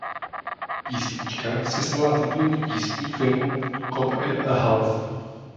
Písnička se stala titulní písní filmu "Cop and a Half".